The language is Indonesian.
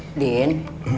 gak ada di tabungan